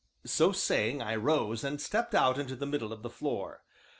So saying, I rose and stepped out into the middle of the floor.